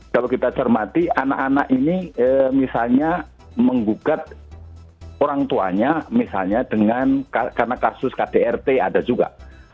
kalau kita cermati anak anak ini misalnya menggugat orang tuanya misalnya dengan karena kasus kdrt ada juga